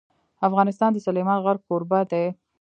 افغانستان د سلیمان غر کوربه دی.